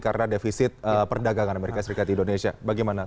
karena defisit perdagangan amerika serikat di indonesia bagaimana